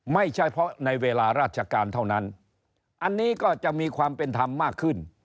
ไม่ใช่เพราะในเวลาราชการเท่านั้นอันนี้ก็จะมีความเป็นธรรมมากขึ้น